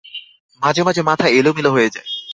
মাঝে-মাঝে মাথা এলোমেলো হয়ে যায়।